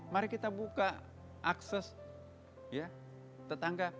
mari kita buka akses tetangga